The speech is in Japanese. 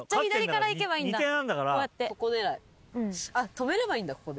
止めればいいんだここで。